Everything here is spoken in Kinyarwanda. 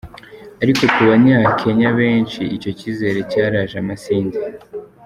Ariko ku banyakenya benshi icyo cyizere cyaraje amasinde.